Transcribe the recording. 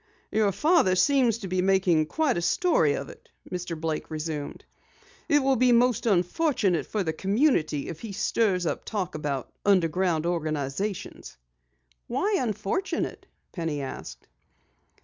"Your father seems to be making quite a story of it," Mr. Blake resumed. "It will be most unfortunate for the community if he stirs up talk about underground organizations." "Why unfortunate?" Penny asked.